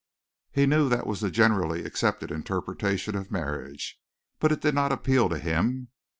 He knew that was the generally accepted interpretation of marriage, but it did not appeal to him.